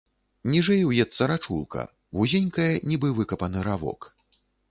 Ніжэй уецца рачулка, вузенькая, нібы выкапаны равок.